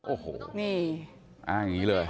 โอ้โหนี่อ้างอย่างนี้เลย